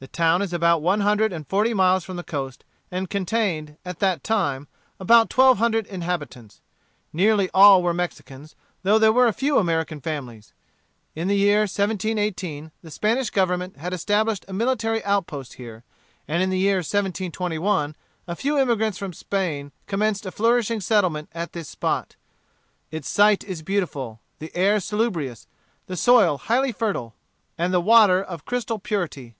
The town is about one hundred and forty miles from the coast, and contained, at that time, about twelve hundred inhabitants. Nearly all were Mexicans, though there were a few American families. In the year 1718, the Spanish Government had established a military outpost here; and in the year 1721, a few emigrants from Spain commenced a flourishing settlement at this spot. Its site is beautiful, the air salubrious, the soil highly fertile, and the water of crystal purity.